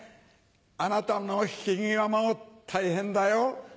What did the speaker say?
あなたのヒキ際も大変だよ。